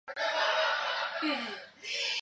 那些的当中一个是库路耐尔。